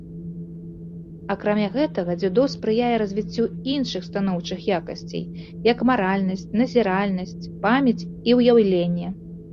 Акрамя гэтага, дзюдо спрыяе развіццю іншых станоўчых якасцей, як маральнасць, назіральнасць, памяць і ўяўленне.